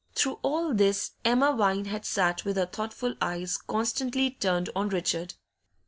Through all this Emma Vine had sat with her thoughtful eyes constantly turned on Richard.